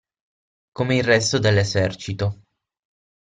Come il resto dell'esercito.